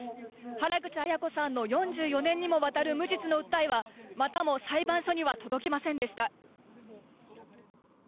原口アヤ子さんの４４年にもわたる無実の訴えはまたも裁判所には届きませんでした。